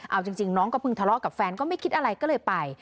เอาจริงน้องก็เพิ่งทะเลาะกับแฟนก็ไม่คิดอะไรก็เลยไป